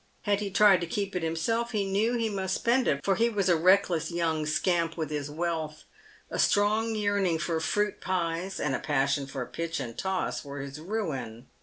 Had he tried to keep it himself, he knew he must spend it, for he was a reckless young scamp with his wealth ; a strong yearning for fruit pies and a passion for pitch and toss were his ruin.